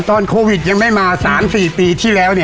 ตอนโควิดยังไม่มา๓๔ปีที่แล้ว